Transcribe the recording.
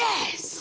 あ